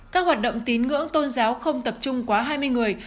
các hoạt động tín ngưỡng tôn giáo không tập trung quá hai mươi người